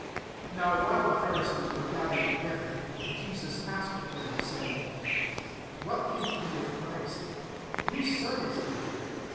41 NOW while the Phari* sees were gathered together, Jesus asked them, 42 saying, "What think ye of Christ? whose son is he?"